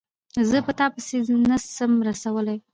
زه په تا پسي ځان نه سم رسولای